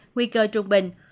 nguy cơ trung bình